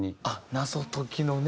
謎解きのね。